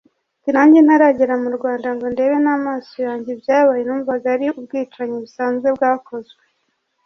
Ati “Nanjye ntaragera mu Rwanda ngo ndebe n’amaso yanjye ibyabaye numvaga ari ubwicanyi busanzwe bwakozwe